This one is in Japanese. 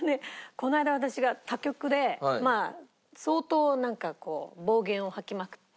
この間私が他局で相当なんかこう暴言を吐きまくって。